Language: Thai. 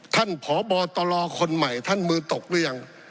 ท่านผ่อบอตรคนใหม่ท่านมือตกหรือยัง